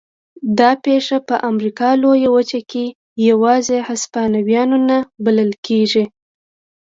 دا پېښه په امریکا لویه وچه کې یوازې هسپانویان نه بلل کېږي.